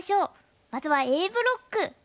まずはＡブロック。